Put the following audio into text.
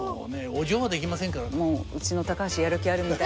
お嬢はできませんから。